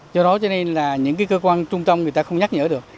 do đó cho nên là những cái cơ quan trung tâm người ta không nhắc nhở được